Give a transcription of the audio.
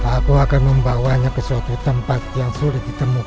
aku akan membawanya ke suatu tempat yang sulit ditemukan